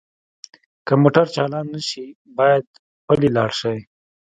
که موټر چالان نه شي باید پلی لاړ شئ